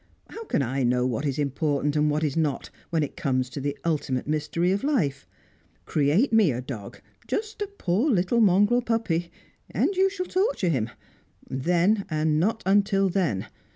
How can I know what is important and what is not, when it comes to the ultimate mystery of life? Create me a dog just a poor little mongrel puppy and you shall torture him; then, and not till then.